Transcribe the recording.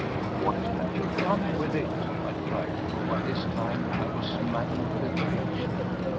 "What have you done with it?" I cried, for by this time I was maddened with rage.